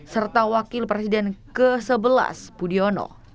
serta wakil presiden ke sebelas budiono